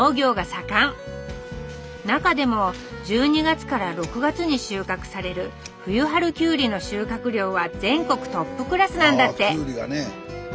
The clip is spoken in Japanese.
中でも１２月から６月に収穫される「冬春きゅうり」の収穫量は全国トップクラスなんだって。